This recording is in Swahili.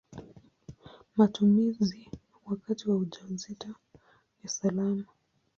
Matumizi wakati wa ujauzito ni salama.